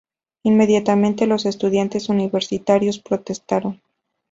Inmediatamente los estudiantes universitarios protestaron.